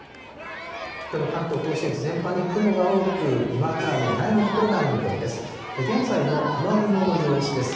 きょうの関東甲信越、全般に雲が多く、にわか雨や雷雨の所がある見込みです。